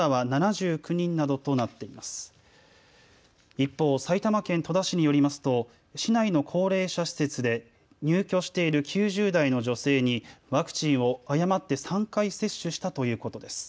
一方、埼玉県戸田市によりますと市内の高齢者施設で入居している９０代の女性にワクチンを誤って３回接種したということです。